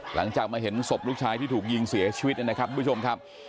หลังจากมาเห็นศพลูกชายที่ถูกยิงเสียชีวิตนะครับทุกผู้ชมครับ